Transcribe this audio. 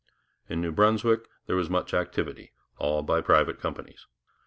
In New Brunswick there was much activity, all by private companies.